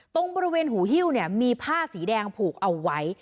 ตรงบริเวณหูฮิ้วเนี่ยมีผ้าสีแดงผูกเอาไว้